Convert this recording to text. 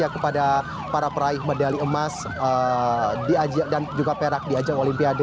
kepada para peraih medali emas dan juga perak di ajang olimpiade